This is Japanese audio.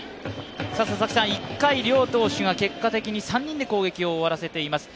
１回、両投手が結果的に３人で攻撃を終わらせています。